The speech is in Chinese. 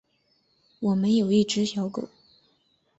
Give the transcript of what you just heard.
我们有一只小狗